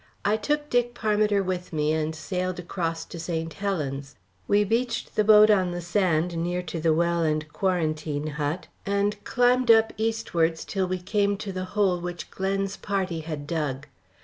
I took Dick Parmiter with me and sailed across to St. Helen's. We beached the boat on the sand near to the well and quarantine hut, and climbed up eastwards till we came to the hole which Glen's party had dug.